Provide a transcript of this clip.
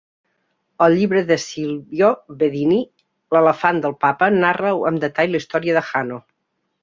El llibre de Silvio Bedini, "L'elefant del Papa" narra amb detall la història de Hanno.